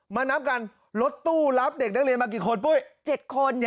นับกันรถตู้รับเด็กนักเรียนมากี่คนปุ้ย๗คน